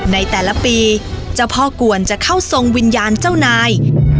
ในแต่ละปีเจ้าพ่อกวนจะเข้าทรงวิญญาณเจ้านาย